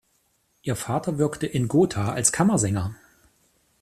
Ihr Vater wirkte in Gotha als Kammersänger.